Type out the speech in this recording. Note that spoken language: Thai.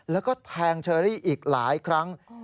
แล้วก็แทงเชอรี่อีกหลายครั้ง